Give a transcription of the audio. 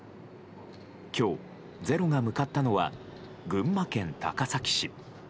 今日「ｚｅｒｏ」が向かったのは群馬県高崎市。